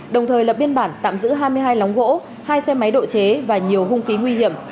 đồng thời lập biên bản tạm giữ hai mươi hai lóng gỗ hai xe máy độ chế và nhiều hung khí nguy hiểm